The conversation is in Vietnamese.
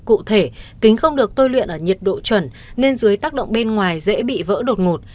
cụ thể kính không được tôi luyện ở nhiệt độ chuẩn nên dưới tác động bên ngoài dễ bị vỡ đột ngột